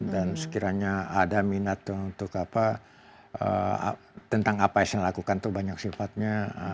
dan sekiranya ada minat untuk apa tentang apa yang saya lakukan itu banyak sifatnya